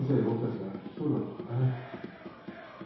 僕たちが引き取るわけにはいかないだろうか。